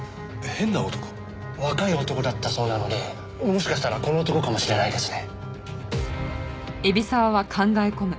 若い男だったそうなのでもしかしたらこの男かもしれないですね。